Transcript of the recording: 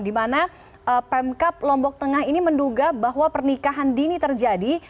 di mana pemkap lombok tengah ini menduga bahwa pernikahan dini terjadi